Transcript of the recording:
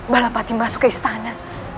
balapati masuk ke istana